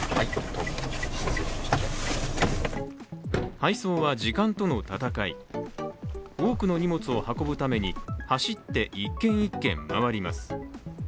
配送は時間との戦い、多くの荷物を運ぶために走って１軒１軒回ります